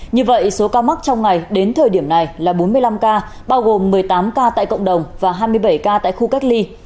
như vậy số ca mắc trong ngày đến thời điểm này là bốn mươi năm ca bao gồm một mươi tám ca tại cộng đồng và hai mươi bảy ca tại khu cách ly